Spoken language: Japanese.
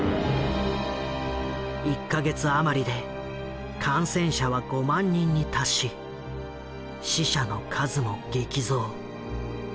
１か月余りで感染者は５万人に達し死者の数も激増。